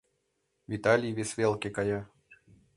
Виталий вес велке кая.